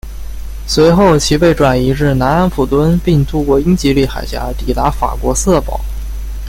随后其被转移至南安普敦并渡过英吉利海峡抵达法国瑟堡。